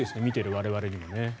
見ている我々にも。